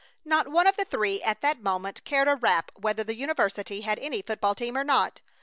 Not one of the three at that moment cared a rap whether the university had any football team or not.